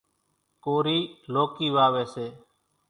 ڪورِي لوڪِي واويَ سي۔